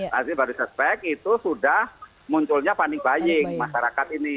berarti baru suspek itu sudah munculnya panik baying masyarakat ini